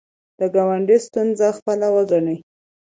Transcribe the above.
د ګاونډي ستونزه خپله وګڼئ